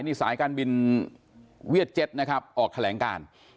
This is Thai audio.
นี่สายการบินเวียดเจ็ตนะครับออกแถลงการ